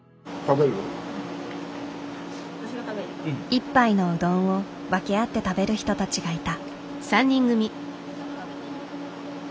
一杯のうどんを分け合って食べる人たちがいた。